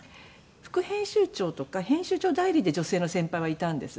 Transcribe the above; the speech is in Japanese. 副編集長とか編集長代理で女性の先輩はいたんです。